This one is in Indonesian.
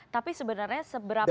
tapi sebenarnya seberapa kuat